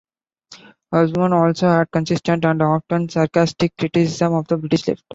Osborne also had consistent and often sarcastic criticism of the British Left.